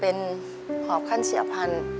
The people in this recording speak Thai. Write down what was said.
เป็นหอบขั้นเสียพันธุ